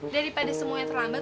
daripada semuanya terlambat